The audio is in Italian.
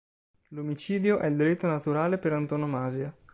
L'omicidio è il delitto naturale per antonomasia.